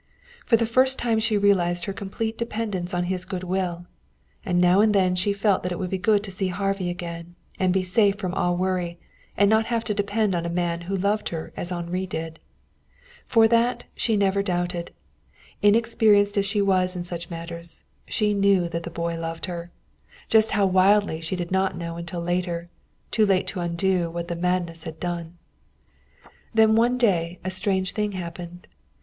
For the first time she realized her complete dependence on his good will. And now and then she felt that it would be good to see Harvey again, and be safe from all worry, and not have to depend on a man who loved her as Henri did. For that she never doubted. Inexperienced as she was in such matters, she knew that the boy loved her. Just how wildly she did not know until later, too late to undo what the madness had done. Then one day a strange thing happened.